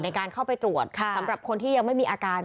ในการเข้าไปตรวจสำหรับคนที่ยังไม่มีอาการ